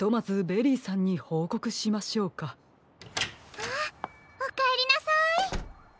あっおかえりなさい。